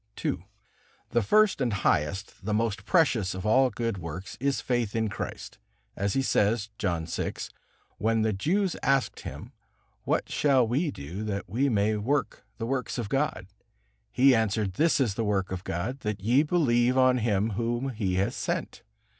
II. The first and highest, the most precious of all good works is faith in Christ, as He says, John vi. When the Jews asked Him: "What shall we do that we may work the works of God?" He answered: "This is the work of God, that ye believe on Him Whom He hath sent."